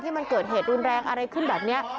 ให้มันเกิดเหตุรุนแรงอะไรขึ้นแบบนี้